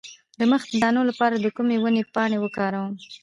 د مخ د دانو لپاره د کومې ونې پاڼې وکاروم؟